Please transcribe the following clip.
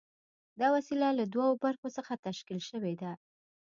دا وسیله له دوو برخو څخه تشکیل شوې ده.